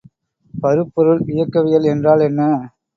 பருப்பொருள் இயக்கவியல் என்றால் என்ன?